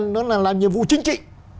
nó là nhiệm vụ chính trị